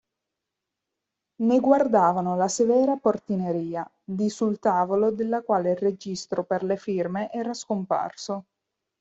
Ne guardavano la severa portineria, di sul tavolo della quale il registro per le firme era scomparso.